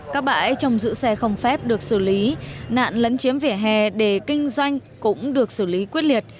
các bãi trong giữ xe không phép được xử lý nạn lấn chiếm vỉa hè để kinh doanh cũng được xử lý quyết liệt